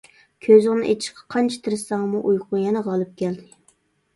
كۆزۈڭنى ئېچىشقا قانچە تىرىشساڭمۇ ئۇيقۇڭ يەنە غالىپ كەلدى.